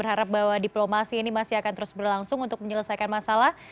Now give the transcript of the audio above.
harap bahwa diplomasi ini masih akan terus berlangsung untuk menyelesaikan masalah